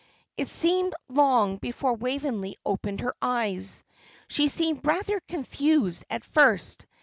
It seemed long before Waveney opened her eyes. She seemed rather confused at first.